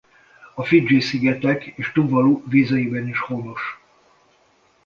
A Fidzsi-szigetek és Tuvalu vizeiben is honos.